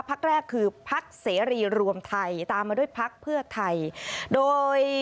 พักแรกคือพักเสรีรวมไทยตามมาด้วยพักเพื่อไทยโดย